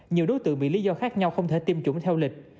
nhiều đối tượng bị lý do khác nhau không thể tiêm chủng theo lịch